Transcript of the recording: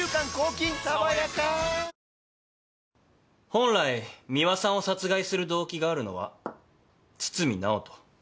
本来美和さんを殺害する動機があるのは堤直人。